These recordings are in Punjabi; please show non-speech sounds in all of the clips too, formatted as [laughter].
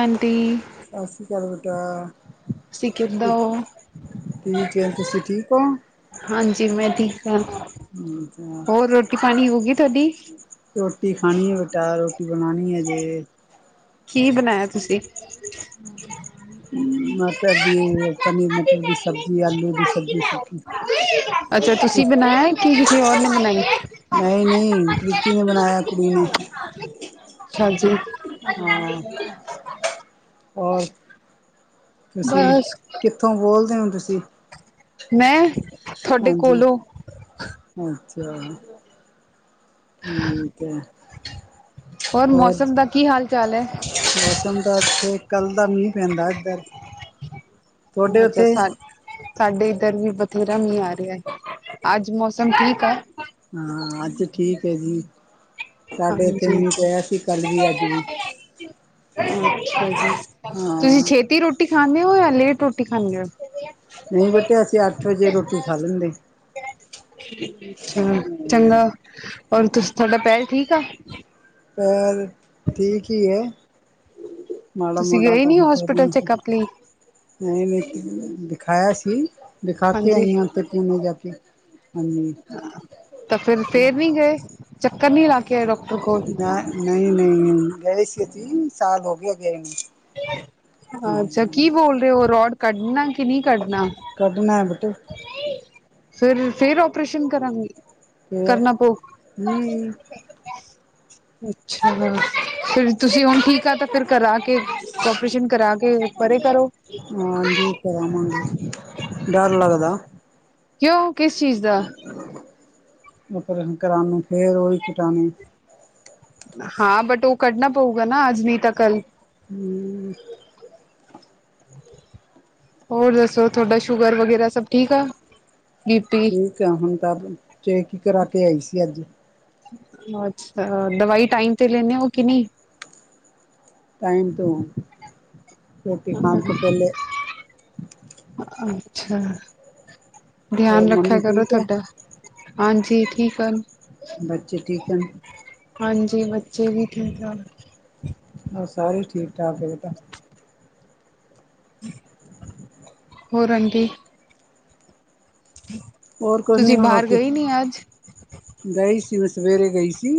ਆਂਟੀ। ਸਸ ਸ੍ਰੀ ਅਕਾਲ ਬੇਟਾ। ਸੀਂ ਕਿਦਾ ਉਹ? ਠੀਕ ਹੈ ਤੁਸੀਂ ਠੀਕ ਹੋ ਹਾਂਜੀ ਮੈਂ ਠੀਕ ਹਾਂ, ਅੱਛਾ ਹੋਰ ਰੋ - ਟੀ ਪਾਣੀ ਹੋਗੀ ਤੁਹਾਡੀ? ਰੋਟੀ ਖਾਣੀ ਹੈ ਬੇਟਾ, ਰੋਟੀ ਬਣਾਣੀ ਹੈ ਹਜੇ। ਕੀ ਬਣਾਇਆ ਤੁਸੀਂ? ਮਟਰ ਪਨੀਰ [unintelligible] ਨੀਰ ਮਟਰ। ਦੀ ਸਬਜ਼ੀ, ਆਲੂ ਦੀ ਸਬਜ਼ੀ ਸੁੱਕੀ। ਅੱਛਾ ਤੁਸੀਂ ਬਣਾਇਆ ਕਿ ਕਿਸੇ ਹੋਰ ਨੇ ਬਣਾਈ? ਨਹੀਂ- ਨਹੀਂ ਪ੍ਰੀਤੀ ਨੇ ਬਣਾਇਆ ਕੁੜੀ ਨੇ। ਹਾਂਜੀ। ਹਾਂ, ਹੋਰ ਤੁਸੀਂ? ਬਸ ਕਿੱਥੋਂ ਬੋਲਦੇ ਹੋ ਤੁਸੀਂ? ਮੈਂ, ਤੁਹਾਡੇ ਹਾਂਜੀ ਕੋਲੋਂ। ਅੱਛਾ। ਠੀਕ ਐ। ਹੋਰ ਮੌਸਮ ਦਾ ਕੀ ਹਾਲ ਚਾਲ ਐ। ਮੌਸਮ ਦਾ ਤੇ ਕੱਲ ਦਾ ਮੀਂਹ ਪੈਂਦਾ ਇੱਧਰ। ਤੁਹਾਡੇ ਅੱਛਾ ਉੱਥੇ ਸਰ ਸਾਡੇ ਇੱਧਰ ਵੀ ਬਥੇਰਾ ਮੀਹ ਆ। ਰਿਹਾ ਅੱਜ ਮੌਸਮ ਠੀਕ ਆ। ਹਾਂ ਅੱਜ ਠੀਕ ਹੈ ਜੀ ਸਾਡੇ ਇੱਥੇ ਹਾਂਜੀ ਮੀਂਹ ਪਿਆ ਸੀ ਕੱਲ ਵੀ ਅੱਜ ਵੀ। ਅੱਛਾ ਜੀ, ਤੁਸੀਂ ਹਾਂ ਛੇਤੀ ਰੋਟੀ ਖਾਂਦੇ ਹੋ ਜਾਂ ਲੇਟ ਰੋਟੀ ਖਾਂਦੇ ਹੋ? ਨਹੀਂ ਬੇਟੇ, ਅਸੀਂ ਅੱਠ ਵਜੇ ਰੋਟੀ ਖਾ ਲੈਂਦੇ। ਅੱਛਾ, ਹਾਂ ਚੰਗਾ ਔਰ ਤੁਸੀਂ ਤੁਹਾਡਾ ਪੈਰ ਠੀਕ ਆ। ਪੈਰ ਠੀਕ ਈ ਹੈ। ਮਾੜਾ ਤੁਸੀਂ ਮਾੜਾ ਗਏ ਤੇ ਨੀ ਹੁੰਦਾ ਸੀ ਹੋਸਪਿਟਲ ਨਾ, ਚੈੱਕਅਪ ਲਈ ਨਹੀਂ-ਨਹੀਂ ਦਿਖਾਇਆ ਸੀ। ਦਿਖਾ ਕੇ ਹਾਂਜੀ ਆਈਆਂ, ਉੱਥੇ ਕਿ ਜਾ ਕੇ ਹਾਂਜੀ। ਤਾਂ ਫੇਰ-ਫੇਰ ਨਹੀਂ ਗਏ, ਚੱਕਰ ਨਹੀਂ ਲਾ ਕੇ। ਆਏ ਡਾਕਟਰ ਕੋਲ ਨਾ ਨਹੀਂ- ਨਹੀਂ ਗਏ ਸੀ ਤੀਂਨ ਸਾਲ ਹੋ ਗਿਆ ਗਏ ਨੂੰ। ਅੱਛਾ, ਹਾਂ ਕੀ ਬੋਲ ਰਹੇ ਉਹ ਰੋਡ ਕੱਢਣਾ ਕਿ ਨਹੀਂ ਕੱਢਣਾ? ਕੱਢਣਾ ਬੈਟ। ਫਿਰ-ਫਿਰ ਔਹ ਓਪਰੇਸ਼ਨ ਕਰਾਂਗੇ। ਤੇ ਕਰਨਾ ਪਉ। ਨਹੀਂ ਅੱਛਾ ਫਿਰ ਤੁਸੀਂ ਹੁਣ ਠੀਕ ਆ, ਤਾਂ ਫਿਰ ਕਰਾ ਕੇ ਓਪਰੇਸ਼ਨ ਕਰਾ ਕੇ ਪਰੇ ਕਰੋ। ਹਾਂਜੀ ਕਰਵਾਂਗੇ ਡਰ ਲੱਗਦਾ। ਕਿਉਂ, ਕਿਸ ਚੀਜ਼ ਦਾ। ੳਪਰੇਸ਼ਨ ਕਰਨ ਨੂੰ, ਫਿਰ ਉਹ ਹੀ ਕਟਾਣੀ। ਹਾਂ ਬਟ ਉਹ ਕੱਢਨਾ ਪਊਗਾ, ਨਾ ਅੱਜ ਨਹੀਂ ਤਾਂ ਕੱਲ। ਹੂੰ। ਹੋਰ ਦੱਸੋ ਤੁਹਾਡਾ ਸ਼ੂਗਰ ਵਗੈਰਾ ਸਭ ਠੀਕ ਆ! ਬੀ ਪੀ ਠੀਕ ਆ ਹੁਣ ਤਾਂ ਚੇਕ ਹੀ ਕਰਾ ਕੇ ਆਈ ਸੀ ਅੱਜ। ਅੱਛਾ, ਦਵਾਈ ਟਾਈਮ ਤੇ ਲੈਂਨੇ ਓ ਕਿ ਨਹੀਂ। ਟਾਈਮ ਤੋਂ ਆ। ਆਹ ਆ ਅੱਛਾ। ਹੋਰ ਧਿਆਨ ਰੱਖਿਆ ਮੰਮੀ ਕਰੋ, ਠੀਕ ਹੈ ਤੁਹਾਡਾ ਹਾਂਜੀ ਠੀਕ ਆ। ਬੱਚੇ ਠੀਕ ਹਨ। ਹਾਂਜੀ, ਬੱਚੇ ਵੀ ਠੀਕ ਆ। ਹੋਰ ਸਾਰੇ ਈ ਠੀਕ- ਠਾਕ ਐ ਬੇਟਾ। ਹੋਰ ਆਂਟੀ। ਹੋਰ ਕੁਝ ਨੀ ਤੁਸੀਂ ਬਾਹਰ ਰੋਟੀ ਗਏ ਨੀ ਅੱਜ। ਗਈ ਸੀ ਉਹ ਸਵੇਰੇ ਗਈ ਸੀ।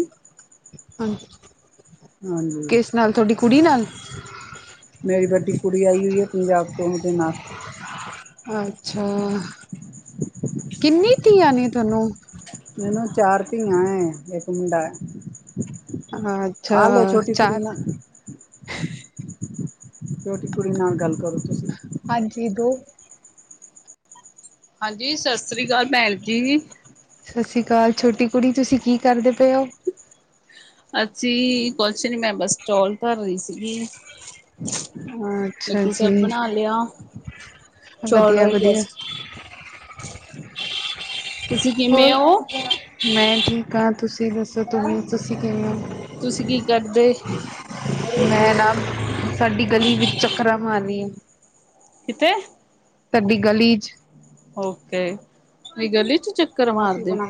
ਹਾਂਜੀ। ਹਾਂਜੀ ਕਿਸ ਨਾਲ ਤੁਹਾਡੀ ਕੁੜੀ ਨਾਲ? ਮੇਰੀ ਵੱਡੀ ਕੁੜੀ ਆਈ ਹੋਈ ਹੈ, ਪੰਜਾਬ ਤੋਂ ਉਹਦੇ ਨਾਲ। ਅੱਛਾ, ਕਿੰਨੀ ਧੀਆਂ ਨੇ ਤੁਹਾਨੂੰ? ਮੈਨੂੰ ਚਾਰ ਧੀਆਂ ਐ, ਇੱਕ ਮੁੰਡਾ। ਅੱਛਾ ਆਲੋ ਛੋਟੀ ਕੁੜੀ ਚਾਰ ਨਾ ਛੋਟੀ ਕੁੜੀ ਨਾਲ ਗੱਲ ਕਰੋ ਤੁਸੀਂ। ਹਾਂਜੀ ਦੋ ਹਾਂਜੀ, ਸਤਿ ਸ੍ਰੀ ਅਕਾਲ ਭੈਣ ਜੀ। ਸਤਿ ਸ੍ਰੀ ਅਕਾਲ ਛੋਟੀ ਕੁੜੀ, ਤੁਸੀਂ ਕੀ ਕਰਦੇ ਪਏ ਹੋ? ਅੱਸੀ ਕੁਛ ਨੀ, ਮੈਂ ਬਸ ਚੋਲ ਧਰ ਰਹੀ ਸੀਗੀ। ਅੱਛਾ ਬਾਕੀ ਜੀ। ਸਭ ਬਣਾ ਲਿਆ ਚੌਲ ਵਧੀਆ, ਰਹਿ ਗਿਆ ਵਧੀਆ। ਸੀ। [unintelligible] ਹੋਰ, ਕਿਵੇਂ ਹੋ ਮੈਂ ਜੀ ਕ ਤੁਸੀਂ ਦੱਸੋ, ਤੁਵੇਂ ਤੁਸੀਂ ਕਿਵੇਂ ਹੋ? ਤੁਸੀਂ ਕੀ ਕਰਦੇ? ਮੈਂ ਨਾ, ਸਾਡੀ ਗਲੀ ਵਿੱਚ ਚੱਕਰਾਂ ਮਾਰਨੀ ਆ। ਕਿਵੇਂ? ਤੁਹਾਡੀ ਗਲੀ 'ਚ। ਓਕੇ, ਗਲੀ ਚੇ ਚੱਕਰ ਮਾਰਦੇ ਨਾ,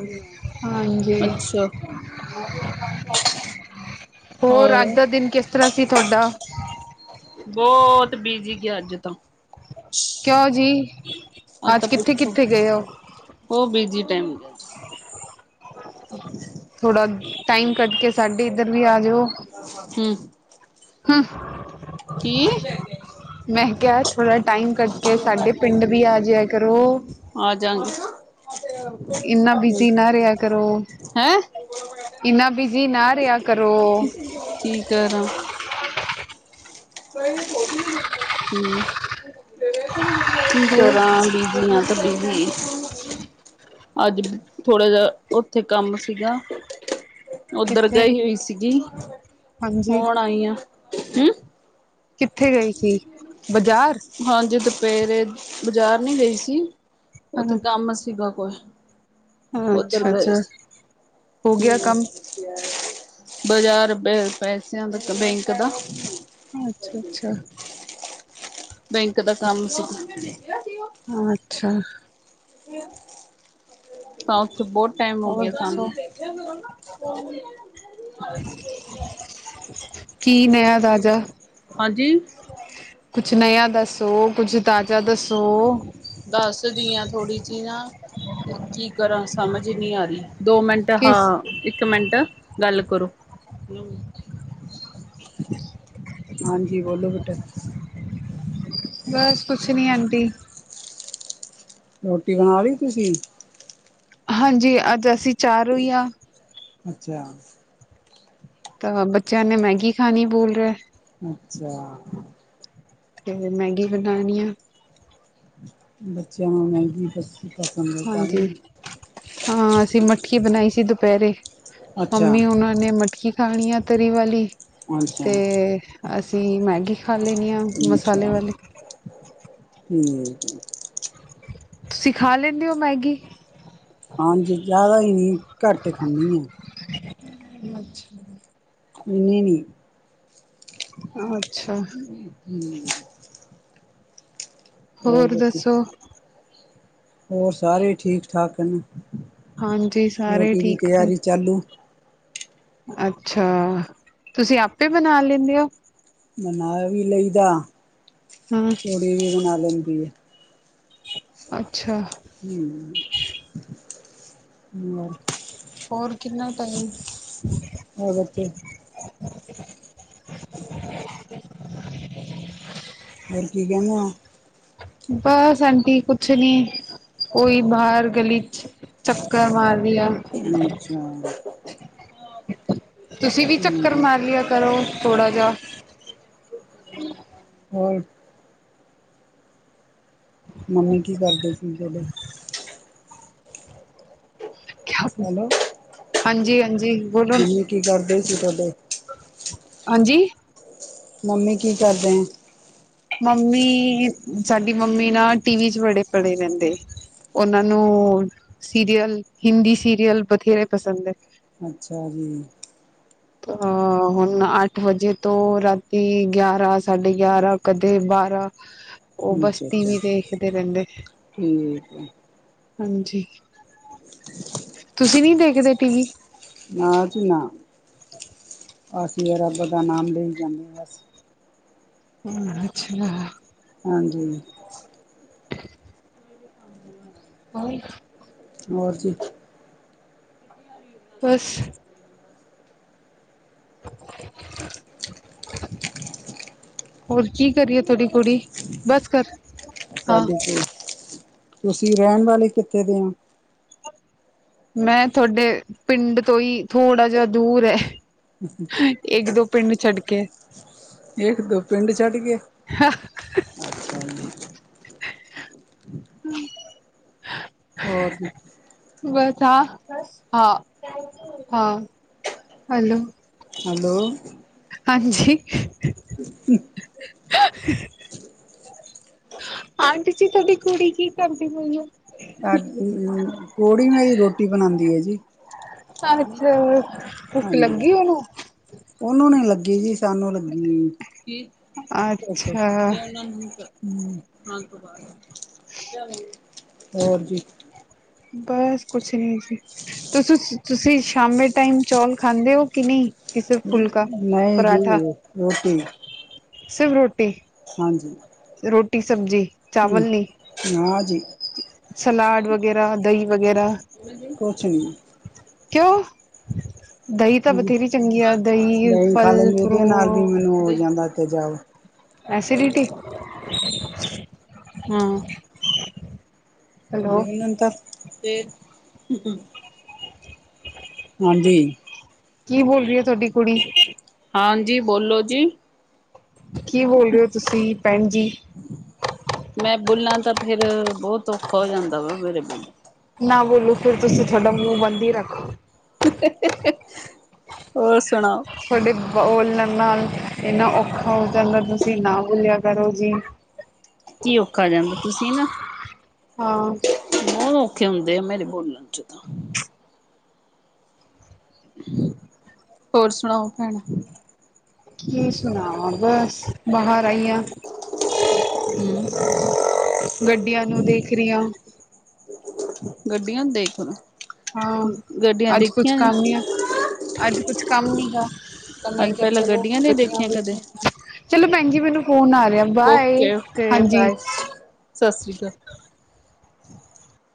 ਹਾਂਜੀ ਅੱਛਾ। ਹ- ਹੋਰ ਅੱਜ ਦਾ ਦਿਨ ਕਿਸ ਤਰ੍ਹਾਂ ਸੀ ਤੁਹਾਡਾ? ਬਹੁਤ ਬਿਜੀੀ ਗਿਆ, ਅੱਜ ਤਾਂ ਕਿਉਂ ਜੀ, ਅੱਜ ਤਾਂ ਕਿੱਥੇ ਪੁੱਛੋ ਕਿੱਥੇ ਗਏ ਉਹ? ਉਹ ਬੀਜੀ ਟਾਈਮ ਹੋ ਗਿਆ। ਥੋੜਾ ਟਾਈਮ ਕੱਢ ਕੇ, ਸਾਡੇ ਇੱਧਰ ਵੀ ਆ ਜਾਓ। ਹਮ। ਹਮ। ਕੀ? ਮੈਂ ਕਿਹਾ, ਥੋੜ੍ਹਾ ਟਾਈਮ ਕੱਢ ਕੇ ਸਾਡੇ ਪਿੰਡ ਵੀ ਆ ਜਹਾ ਕਰੋ। ਆ ਜਾਗੇ। ਇੰਨਾ ਬਿਜੀ, ਨਾ ਰਿਹਾ ਕਰੋ। ਹੈਂ ਇਨਾ ਬੀਜ਼ੀ, ਨਾ ਰਿਆ ਕਰੋ। ਕੀ ਕਰ ਆ? ਹਮ, ਕੀ ਹੋਰ ਕਰਾਂ ਬ ਬਿਜ਼ੀ ਆਂ, ਤਾਂ ਬਿਜ਼ੀ। ਅੱਜ ਥੋੜ੍ਹਾ ਜਿ, ਉੱਥੇ ਕੰਮ ਸੀਗਾ। ਉਧਰ ਕਿੱਥੇ ਗਈ ਹੋਈ ਸੀਗੀ, ਹਾਂਜੀ ਹੁਣ ਆਈ ਆ। ਹੂੰ ਕਿੱਥੇ ਗਈ ਸੀ, ਬਾਜ਼ਾਰ? ਹਾਂਜੀ ਦੁਪੇਰੇ, ਬਾਜ਼ਾਰ ਨਹੀਂ ਗਈ ਸੀ, ਹਾਂ ਉਥੇ ਹਾਂ, ਕੰਮ ਸੀਗਾ ਕੋਈ। ਉਧਰ ਅੱਛਾ ਗਏ ਅੱਛਾ ਹੋ ਸੀ। ਗਿਆ ਕੰਮ ਬਾਜ਼ਾਰੁਪ ਪੈਸਿਆਂ ਦਾ ਬੈਂਕ ਦਾ ਅੱਛਾ, ਅੱਛਾ। ਬੈਂਕ ਦਾ ਕੰਮ ਸੀ। ਅੱਛਾ। ਹਹ ੱ ਬਹੁਤ ਟਾਈਮ ਹੋ ਹੋਰ ਗਿਆ ਦੱਸੋ ਸਾਨੂੰ ਹ- ਕੀ ਨ ਰਾਾਜਾ ਹਾਂਜੀ। ਕੁਛ ਨਯਆ ਦੱਸੋ, ਕੁਛ ਤਾਜ਼ਾ ਦੱਸੋ? ਦੱਸਦੀ ਆ ਥੋੜ੍ਹੀ ਜਿਹੀ ਨਾ, ਕੀ ਕਰਾਂ ਸਮਝ ਨੀ ਆ ਰੀ, ਦੋ ਮਿੰਟ ਤੇ ਹਾ, ਕਿਸ ਇੱਕ ਮਿੰਟ ਗੱਲ ਕਰੋ। ਹਾਂਜੀ, ਬੋਲੋ ਬੇਟਾ। ਬਸ, ਕੁਛ ਨਹੀਂ ਆਂਟੀ। ਰੋਟੀ, ਬਣਾਲੀ ਤੁਸੀ? ਹਾਂਜੀ, ਅੱਜ ਅਸੀਂ ਚਾਰੋ ਈ ਆ ਅੱਛਾ। ਤਾ ਬੱਚਿਆਂ ਨੇ ਮੈਗੀ ਖਾਣੀ ਬੋਲ ਰਹੇ। ਅੱਛਾ। ਤੇ ਮੈਗੀ ਬਣਾਣੀ ਆ। ਬੱਚਿਆਂ ਨੂੰ ਮੈਗੀ ਪ ਤਾਂ ਵੀ ਹਾਂਜੀ ਨਹੀ ਹਾਂ, ਅਸੀਂ ਮਟਕੀ ਬਣਾਈ ਸੀ ਦੁਪਹਿਰੇ। ਅੱਛਾ, ਮੰਮੀ ਹੁਣਾਂ ਨੇ ਮਟਕੀ ਖਾਣੀ ਆ ਤਰੀ ਵਾਲੀ, ਅੱਛਾ, ਅੱਛਾ। ਤੇ ਅਸੀ ਮੈਗੀ। ਖਾ ਲੈਣੀ ਆ ਅੱਛਾ, ਮਸਾਲੇ ਵਾਲੀ ਹੂੰ ਤੁਸੀਂ ਖਾ ਲੈਂਦੇ ਓ, ਮੈਗੀ? ਹਾਂਜੀ, ਜ਼ਿਆਦਾ ਹੀ ਨਹੀਂ ਘੱਟ ਖਾਂਨੀ ਏ। ਅੱਛਾ। ਇੰਨੀ ਨੀ। ਅੱਛਾ। ਹੂੰ ਹੋਰ, ਦੱਸੋ? ਹੋਰ ਸਾਰੇ ਠੀਕ-ਠਾਕ ਨੇ, ਹਾਂਜੀ ਸਾਰੇ ਰੋਟੀ ਦੀ ਠੀਕ ਹਨ ਤਿਆਰੀ ਚਾਲੂ। ਅੱਛਾ, ਤੁਸੀਂ ਆਪੇ ਬਣਾ ਲੈਂਨੇ ਓ? ਬਨਾ ਵੀ ਲਈਦਾ ਹੰ ਫੀ ਵੀ ਬਣਾ ਲੈਂਦੀ ਏ। ਅੱਛਾ। ਹੂੰ, ਹੋਰ? ਹੋਰ, ਕਿੰਨਾ ਟਾਈਮ? ਹੋਰ ਬੱਚੇ? ਹੋਰ, ਕੀ ਕਹਿਣਾ ਆ। ਬਸ ਆਂਟੀ ਕੁਛ ਨੀ, ਓਈ ਬਾਹਰ ਗਲੀ'ਚ। ਚੱਕਰ ਮਾਰ ਰਹੀ ਆਂ। ਅੱਛਾ। ਤੁਸੀਂ ਵੀ ਚੱਕਰ ਹੂੰ। ਮਾਰ ਲਿਆ ਕਰੋ, ਥੋੜ੍ਹਾ ਜਾ। ਹੋਰ? ਮੰਮੀ ਕੀ ਕਰਦੇ ਸੀ ਥੋਡੇ? ਹੈਲੋ, ਹਾਂਜੀ-ਹਾਂਜੀ। ਮੰਮੀ ਕੀ ਕਰਦੇ ਸੀ, ਥੋਡੇ? ਹਾਂਜੀ? ਮੰਮੀ ਕੀ ਕਰਦੇਂ? ਮੰਮੀ, ਸਾਡੀ ਮੰਮੀ ਨਾ ਟੀਵੀ'ਚ ਵੜੇ ਪੜੇ ਰਹਿੰਦੇ। ਉਹਨਾਂ ਨੂੰ ਸੀਰੀਅਲ, ਹਿੰਦੀ ਸੀਰੀਅਲ ਬਥੇਰੇ ਪਸੰਦ ਏ। ਅੱਛਾ ਜੀ। ਤ ਹਾਂ। ਹੁਣ ਅੱਠ ਵਜੇ ਤੋਂ ਰਾਤੀ ਗਿਆਰਾਂ, ਸਾਢੇ ਗਿਆਰਾਂ ਕਦੇ ਬਾਰਾਂ। ਹ ਉਹ ਬਸ ਟੀ ਵੀ ਦੇਖਦੇ ਰਹਿੰਦੇ। ਠੀਕ ਹੈ। ਹਾਂਜੀ, ਤੁਸੀਂ ਨੀ ਦੇਖਦੇ ਟੀ ਵੀ? ਨਾ ਜੀ ਨਾ, ਅਸੀਂ ਰੱਬ ਦਾ ਨਾਮ ਲਈ ਜਾਂਦੇ ਆ ਬਸ। ਹੂੰ, ਅੱਛੇ ਲਾ। ਹਾਂਜੀ। ਹੋਰ? ਹੋਰ ਜੀ? ਬਸ। [unintelligible] ਹੋਰ ਕੀ ਕਰ ਰੀਏ ਤੁਹਾਡੀ ਕੁੜੀ? ਬਸ ਕਰ। ਹਾਂ ਸਾਡੀ ਤੇ, ਤੁਸੀਂ ਰਹਿਣ ਵਾਲੇ ਕਿੱਥੇ ਦੇ ਹੋ? ਮੈਂ ਤੁਹਾਡੇ ਪਿੰਡ ਤੋਂ ਹੀ, ਥੋੜਾ ਜਿਹਾ ਦੂਰ ਹੈ। ਹੂੰ-ਹੂੰ। ਇੱਕ- ਦੋ ਪਿੰਡ ਛੱਡ ਕੇ। ਇੱਕ, ਦੋ ਪਿੰਡ ਛੱਡ ਕੇ। ਹਾਂ ਅੱਛਾਾਂ ਜੀ। ਹੂੰ। ਹੋਰ ਜੀ? ਬੱਸ ਹਾਂ, ਹਾਂ, ਹਾਂ। ਹੈਲੋ। ਹੈਲੋ। ਹਾਂਜੀ। ਹ ਹੂੰ। ਆਂਟੀ ਜੀ, ਤੁਹਾਡੀ ਕੁੜੀ ਕੀ ਕਰਦੀ ਪਈ ਏ। ਆ ਕ ਕੋੜੀ ਮੇਰੀ ਰੋਟੀ ਬਣਾਉਂਦੀ ਹੈ ਜੀ। ਤੁਹਾਨੂੰ ਖੂਆਉ, ਭੁੱਖ ਹਾਂਜੀ, ਲੱਗੀ ਉਹਨੂੰ? ਉਹਨੂੰ ਨੂੰ ਲੱਗੀ ਜੀ, ਸਾਨੂੰ ਲੱਗੀ ਨੀ, ਕੀ ਭੂਖ ਅੱਛਾ ਤੇ- ਹੂੰ ਖਾਨ ਤੋਂ ਬਾਦ ਕੇਸ ਲੇਂਗੇ, ਹੋਰ ਜੀ? ਬੱਸ ਕੁਛ ਨੀ ਜੀ, ਤੁਸੀਂ-ਤੁਸੀਂ ਸ਼ਾਮੇ ਟਾਈਮ। ਚੌਲ ਖਾਂਦੇ ਹੋ, ਕਿ ਨਹੀਂ। ਕਿ ਸਿਰਫ ਨਹੀਂ ਫੁਲਕਾ ਜੀ ਮੈਂ ਪਰਾਂਠਾ ਦੋ ਰੋਟੀ। ਸਿਰਫ ਰੋਟੀ? ਹਾਂਜੀ। ਰੋਟੀ, ਸਬਜ਼ੀ, ਚਾਵਲ ਹੂੰ ਨੀ। ਨਾ ਜੀ ਸਲਾਦ ਵਗੈਰਾ, ਦਹੀਂ ਵਗੈਰਾ। ਕੁਛ ਨੀ ਕਿਉਂ? ਦਹੀਂ ਤਾਂ ਬਥੇਰੀ ਚੰਗੀ ਆ। ਦਹੀਂ, ਖਾ ਫਲ, ਲੈਂਦੀ ਉਹਦੇ ਨਾਲ ਵੀ ਫਰੂਟ। ਮੈਨੂੰ ਹੋ ਜਾਂਦਾ ਇੱਥੇ ਜਾਓ। ਐਸੀਡੀਟੀ? ਹਾਂ। [unintelligible] ਹੈਲੋ ਨਿਰੰਤਰ ਹਾਂਜੀ। ਕੀ ਬੋਲ ਰਹੀ ਹੈ, ਤੁਹਾਡੀ ਕੁੜੀ? ਹਾਂਜੀ, ਬੋਲੋ ਜੀ? ਕੀ ਬੋਲ ਰਹੇ ਹੋ ਤੁਸੀਂ, ਭੈਣ ਜੀ? ਮੈਂ ਬੋਲਾਂ ਤਾਂ ਫੇਰ, ਬਹੁਤ ਔਖਾ ਹੋ ਜਾਂਦਾ ਵਾ ਮੇਰੇ ਕੋਲ। ਨਾ ਬੋਲੋ ਫਿਰ ਤੁਸੀਂ, ਤੁਹਾਡਾ ਮੂੰਹ ਬੰਦੀ ਹੀ ਰੱਖੋ। ਹੋਰ ਸੁਣਾਓ? ਤੁਹਾਡੇ ਬੋਲਣ ਨਾਲ ਇੰਨਾ ਔਖਾ ਹੋ ਜਾਂਦਾ, ਤੁਸੀਂ ਨਾ ਭੁੱਲਿਆ ਕਰੋ ਜੀ। ਕੀ ਔਖਾ ਜਾਂਦਾ, ਤੁਸੀਂ ਨਾ? ਹਾਂ। ਬਹੁਤ ਔਖੇ ਹੁੰਦੇ ਆ, ਮੇਰੇ ਬੋਲਣ 'ਚ ਤਾਂ। ਹੋਰ ਸੁਣਾਓ, ਭੈਣ? ਕੀ ਸੁਣਾਵਾਂ, ਬੱਸ ਬਾਹਰ ਆਈ ਆ। ਹਮ। ਗੱਡੀਆਂ ਨੂੰ ਦੇਖ ਰਹੀ ਹਾਂ ਗੱਡੀਆਂ ਦੇਖਣ ਹਾਂ, ਅੱਜ ਕੁਛ ਕੰਮ ਨੀ ਆ। ਅੱਜ ਕੁਛ ਕੰਮ ਨ ਗਾ, ਤਾਂ ਮੈਂ ਅੱਜ ਕਿਹਾ ਪਹਿਲਾਂ ਚਲੋ ਗੱਡੀਆਂ ਨਹੀਂ ਗ਼ਡੀਆਂ ਦੇਖੀਆਂ ਕਦੇ ਵੇਖੀਐ। ਚਲੋ ਭੈਣ ਜੀ, ਮੈਨੂੰ ਫੋਨ ਆ ਰਿਹਾ, ਬਾਏ, ਓਕੇ ਓਕੇ ਹਾਂਜੀ। ਬਾਏ ਸਤਿ ਸ਼੍ਰੀ ਅਕਾਲ।